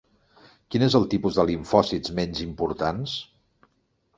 Quin és el tipus de limfòcits menys importants?